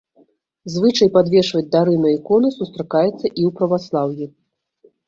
Звычай падвешваць дары на іконы сустракаецца і ў праваслаўі.